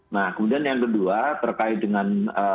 nah kemudian yang kedua terkait dengan